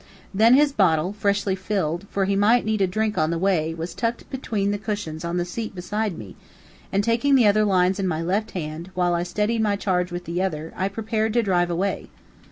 Then his bottle, freshly filled, for he might need a drink on the way, was tucked between the cushions on the seat beside me, and taking the lines in my left hand, while I steadied my charge with the other, I prepared to drive away.